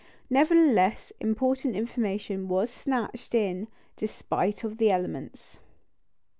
Nevertheless important information was snatched in despite of the elements.